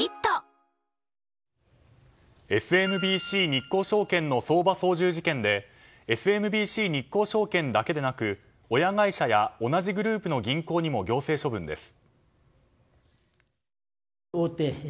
ＳＭＢＣ日興証券の相場操縦事件でＳＭＢＣ日興証券だけでなく親会社や同じグループの銀行にも行政処分です。